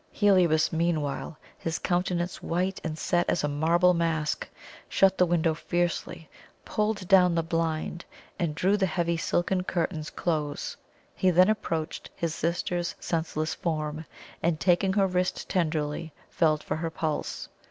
Heliobas meanwhile his countenance white and set as a marble mask shut the window fiercely, pulled down the blind, and drew the heavy silken curtains close. He then approached his sister's senseless form, and, taking her wrist tenderly, felt for her pulse.